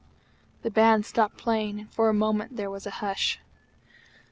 The band stopped playing, and, for a moment, there was a hush.